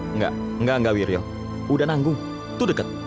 enggak enggak enggak wiryok udah nanggung tuh deket